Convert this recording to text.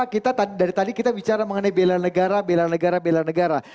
karena dari tadi kita bicara mengenai bela negara bela negara bela negara